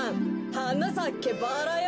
「はなさけバラよ」